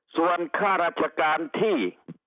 ส่วนค่าราชการที่